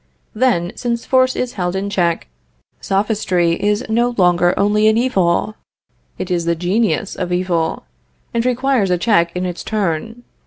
Then, since Force is held in check, Sophistry is no longer only an evil; it is the genius of evil, and requires a check in its turn.